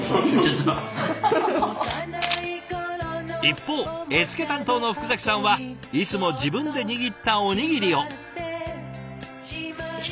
一方絵付け担当の福崎さんはいつも自分で握ったおにぎりを。